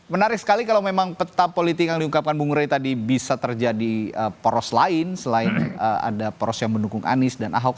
menarik sekali kalau memang peta politik yang diungkapkan bung rey tadi bisa terjadi poros lain selain ada poros yang mendukung anies dan ahok